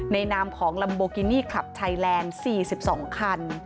นามของลัมโบกินี่คลับไทยแลนด์๔๒คัน